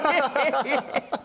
ハハハハ！